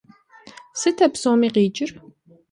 Сыт а псоми къикӏыр?!